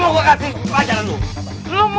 lu mau gua kasih pelajaran lu